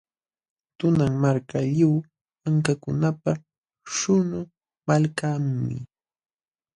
Tunan Marka, lliw wankakunapa śhunqu malkanmi.